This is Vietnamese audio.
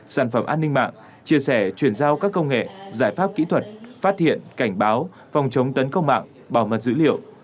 sản phẩm an ninh mạng chia sẻ chuyển giao các công nghệ giải pháp kỹ thuật phát hiện cảnh báo phòng chống tấn công mạng bảo mật dữ liệu